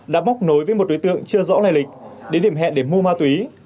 đã móc nối với một đối tượng chưa rõ lai lịch đến điểm hẹn để mua ma túy